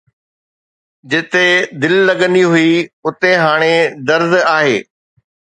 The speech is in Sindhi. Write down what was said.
جتي دل لڳندي هئي، اتي هاڻي درد آهي